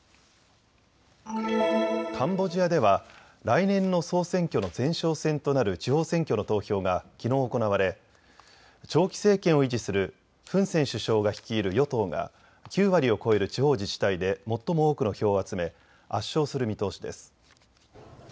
カンボジアでは来年の総選挙の前哨戦となる地方選挙の投票がきのう行われ長期政権を維持するフン・セン首相が率いる与党が９割を超える地方自治体で最も多くの票を集め圧勝する見通しです。